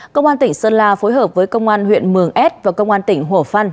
công an tỉnh sơn la phối hợp với công an huyện mường s và công an tỉnh hổ phân